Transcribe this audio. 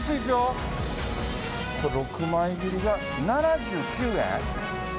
これ、６枚切りが７９円？